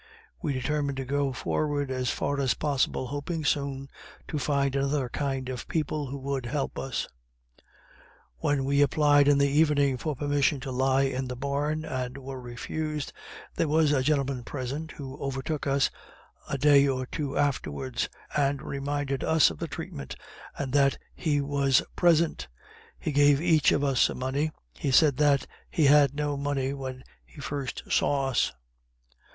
We determined to go forward as far as possible, hoping soon to find another kind of people, who would help us. When we applied in the evening for permission to lie in the barn, and were refused, there was a gentleman present who overtook us a day or two afterwards, and reminded us of the treatment, and that he was present; he gave each of us some money he said that he had no money when he first saw us.